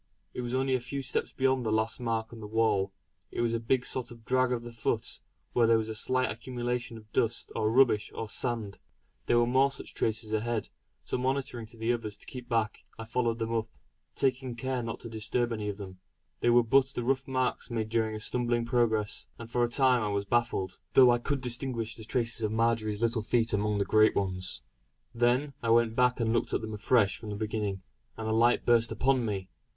It was only a few steps beyond the last mark on the wall. It was a sort of drag of the foot, where there was any slight accumulation of dust, or rubbish, or sand. There were more such traces ahead. So motioning to the others to keep back, I followed them up, taking care not to disturb any of them. They were but the rough marks made during a stumbling progress; and for a time I was baffled; though I could distinguish the traces of Marjory's little feet amongst the great ones. Then I went back and looked at them afresh from the beginning, and a light burst upon me.